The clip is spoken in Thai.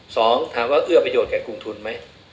สองถามว่าเอื้อประโยชนแก่กรุงทุนไหม